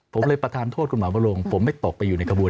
ผมเลยประธานโทษคุณหมอวรงผมไม่ตกไปอยู่ในกระบวน